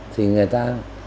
thì người ta